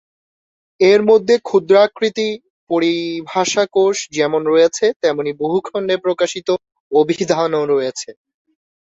এর মধ্যে ক্ষুদ্রাকৃতি পরিভাষাকোষ যেমন রয়েছে, তেমনি বহুখন্ডে প্রকাশিত অভিধানও রয়েছে।